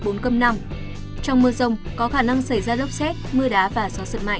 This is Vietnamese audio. trong mưa rông có khả năng xảy ra lốc xét mưa đá và gió giật mạnh